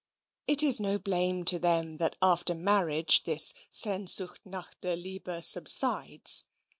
It is no blame to them that after marriage this Sehnsucht nach der Liebe subsides.